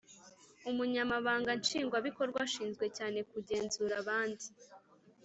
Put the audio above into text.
Umunyamabanga Nshingwabikorwa ashinzwe cyane kugenzura abandi